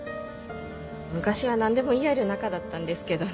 昔は何でも言い合える仲だったんですけどね。